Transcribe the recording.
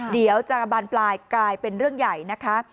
เดี๋ยวจะบานปลายกลายเป็นเรื่องใหญ่นะคะ